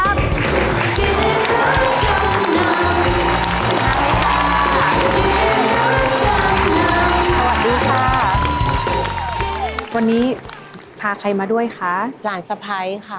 สวัสดีค่ะวันนี้พาใครมาด้วยคะหลานสะพ้ายค่ะ